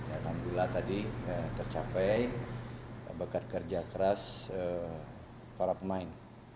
alhamdulillah tadi tercapai bakat kerja keras para pemain